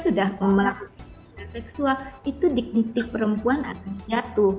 sehingga yang ini lakukan pada sumber pface dari posisi reguler pageinchina dengan pemanah